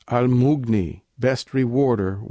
_Al Mughni! best Rewarder!